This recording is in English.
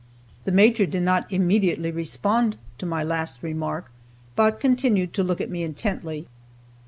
The Major did not immediately respond to my last remark, but continued to look at me intently.